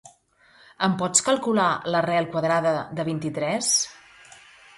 Em pots calcular l'arrel quadrada de vint-i-tres?